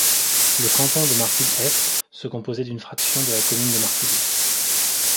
Le canton de Martigues-Est se composait d'une fraction de la commune de Martigues.